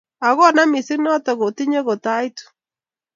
Ago onam mising' noto otinye kot aitu.